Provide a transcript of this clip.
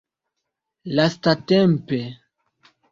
lastatempe